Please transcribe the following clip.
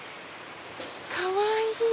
かわいい！